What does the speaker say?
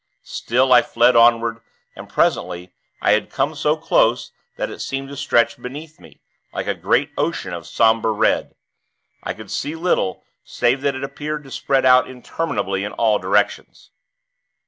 Still, I fled onward, and, presently, I had come so close, that it seemed to stretch beneath me, like a great ocean of somber red. I could see little, save that it appeared to spread out interminably in all directions.